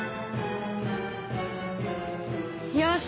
よし。